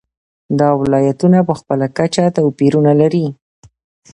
دا ولایتونه په خپله کچه توپیرونه لري.